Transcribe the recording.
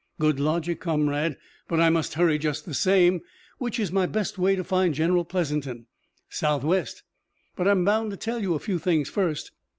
"Good logic, comrade, but I must hurry just the same. Which is my best way to find General Pleasanton?" "Southwest. But I'm bound to tell you a few things first."